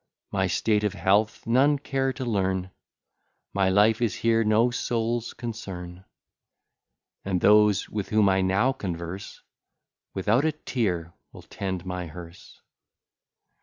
My state of health none care to learn; My life is here no soul's concern: And those with whom I now converse Without a tear will tend my hearse.